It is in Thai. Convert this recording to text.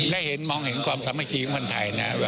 ได้เห็นมองเห็นความสามัคคีของคนไทยนะครับ